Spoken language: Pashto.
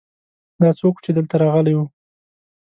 دا څوک ؤ چې دلته راغلی ؤ